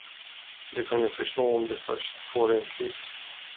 Det kan jag förstå om de först får en kris.